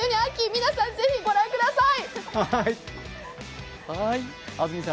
皆さん、ぜひ御覧ください。